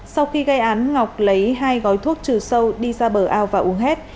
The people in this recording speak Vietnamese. sau khi gây án ngọc lấy hai gói thuốc trừ sâu đi ra bờ ao và uống hết